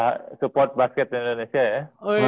thank you udah support basket indonesia ya